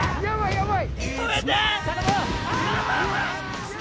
やばい！